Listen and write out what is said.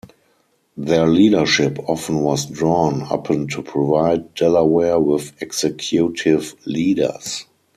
Their leadership often was drawn upon to provide Delaware with executive leaders.